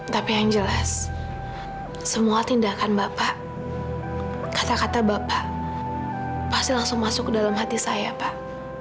tapi yang jelas semua tindakan bapak kata kata bapak pasti langsung masuk ke dalam hati saya pak